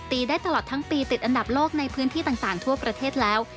ได้ตลอดทั้งปีติดอันดับโลกในพื้นที่ต่างทั่วประเทศแล้ว